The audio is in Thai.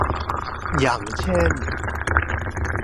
อย่างเช่น